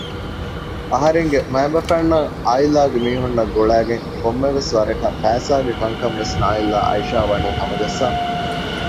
އަހަރެންގެ މައިންބަފައިންނާއި އާއިލާގެ މީހުންނަށް ގުޅައިގެން ކޮންމެވެސް ވަރަކަށް ފައިސާގެ ކަންކަންވެސް ނާއިލްއާއި އައިޝާވަނީ ހަމަޖައްސާފަ